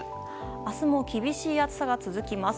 明日も厳しい暑さが続きます。